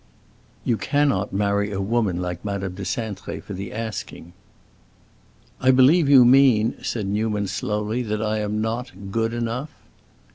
"You cannot marry a woman like Madame de Cintré for the asking." "I believe you mean," said Newman slowly, "that I am not good enough."